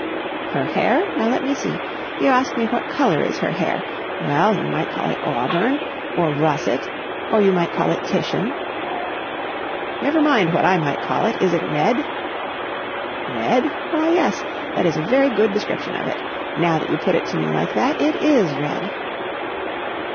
"Her hair? Now, let me see. You ask me what colour is her hair. Well, you might call it auburn ... or russet ... or you might call it Titian...." "Never mind what I might call it. Is it red?" "Red? Why, yes. That is a very good description of it. Now that you put it to me like that, it is red."